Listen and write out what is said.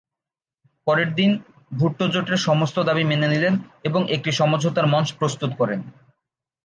পরের দিন, ভুট্টো জোটের সমস্ত দাবি মেনে নিলেন এবং একটি সমঝোতার মঞ্চ প্রস্তুত করেন।